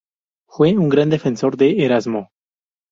Fue un gran defensor de Erasmo.